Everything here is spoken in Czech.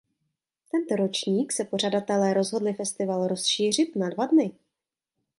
Tento ročník se pořadatelé rozhodli festival rozšířit na dva dny.